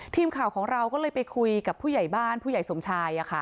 ทีมข่าวของเราก็เลยไปคุยกับผู้ใหญ่บ้านผู้ใหญ่สมชาย